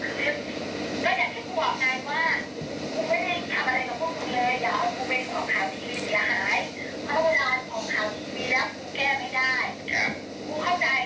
เขาข้างกูก่อนแม่งแม่งแม่งแม่งเขาคุยอย่างงี้เขาคุยอย่างงี้เดี๋ยวผ่านตัวอันนี้